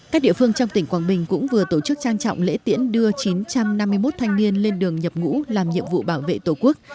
các địa phương trong tỉnh quảng bình cũng vừa tổ chức trang trọng lễ tiễn đưa chín trăm năm mươi một thanh niên lên đường nhập ngũ làm nhiệm vụ bảo vệ tổ quốc